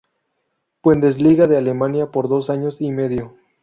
Bundesliga de Alemania por dos años y medio.